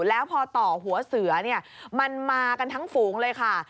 แล้วพอต่อหัวเสือเนี่ยมันมากันทั้งฝูงเลยค่ะ